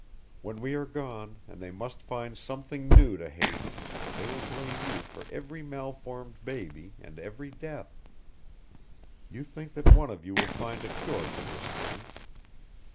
When we are gone and they must find something new to hate they will blame you for every malformed baby and every death. You think that one of you will find a cure for this thing.